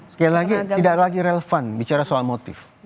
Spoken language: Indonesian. sekali lagi tidak lagi relevan bicara soal motif